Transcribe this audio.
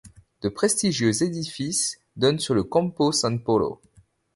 De prestigieux édifices donnent sur le Campo San Polo.